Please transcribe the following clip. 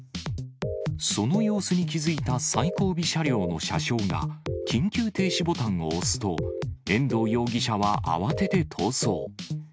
その様子に気付いた最後尾車両の車掌が緊急停止ボタンを押すと、遠藤容疑者は慌てて逃走。